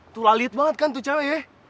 tuh lah liat banget kan tuh cewek ya